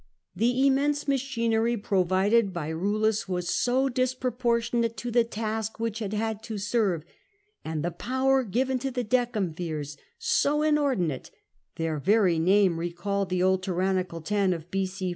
The immense machinery provided by Eullus was so disproportionate to the task which it had to serve, and the power given to the Decemvirs so in ordinate (their very name recalled the old tyrannical ten of B,o.